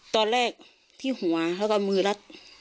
ตอนแรกที่หัวแล้วก็มือรัด